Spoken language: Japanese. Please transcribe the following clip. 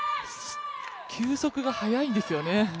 球速が速いんですよね。